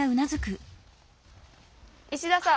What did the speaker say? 石田さん